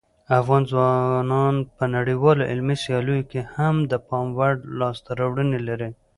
افغان ځوانان په نړیوالو علمي سیالیو کې هم د پام وړ لاسته راوړنې لري.